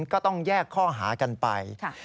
ก็ต้องแยกข้อหากันไป